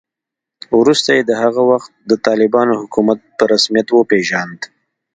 وروسته یې د هغه وخت د طالبانو حکومت په رسمیت وپېژاند